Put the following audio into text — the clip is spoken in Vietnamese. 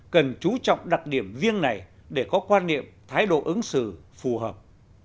cần chú trọng đặc điểm riêng này để có quan niệm thái độ ứng xử phù hợp